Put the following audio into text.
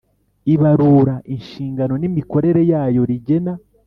Ibarura inshingano n imikorere yayo Rigena